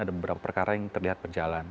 ada beberapa perkara yang terlihat berjalan